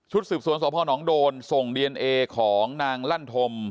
ชุดสืบสวนสวนพ่อน้องโดนส่งดีเอเนเอของนางลั่นธม